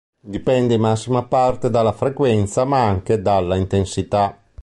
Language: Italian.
Dipende in massima parte dalla frequenza ma anche dalla intensità.